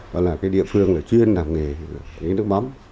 đó là địa phương chuyên làm nghề nước mắm